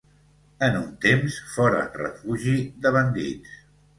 En un temps foren refugi de bandits.